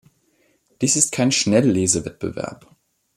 Dies ist kein Schnelllesewettbewerb.